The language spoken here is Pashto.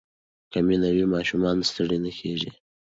که مینه وي ماشومان ستړي نه کېږي.